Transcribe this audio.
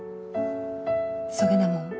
そげなもん？